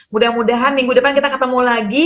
mudah mudahan minggu depan kita ketemu lagi